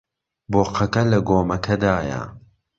بۆقەکە لە گۆمەکەدایە.